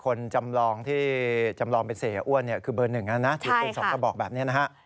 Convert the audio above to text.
คนจำลองที่จำลองเป็นเสียอ้วนคือเบอร์๑แล้วนะถือเป็น๒กระบอกแบบนี้นะฮะ